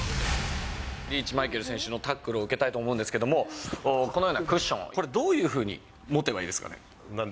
リーチマイケル選手のタックルを受けたいと思うんですけれども、このようなクッション、これ、どういうふうに持てばいいんですかね。